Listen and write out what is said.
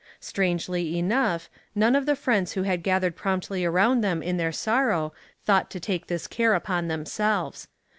Strangely enough, none of the friends who had gathered promptly around them in their sorrow thought to take this care upon themselves.